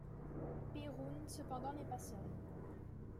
Péroun cependant n'est pas seul.